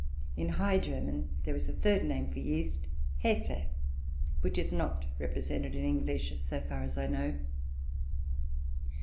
In High German, there is a third name for yeast, "hefe," which is not represented in English, so far as I know.